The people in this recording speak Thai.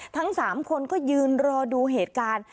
ทั้ง๓คนก็ยืนรอดูเหตุการณ์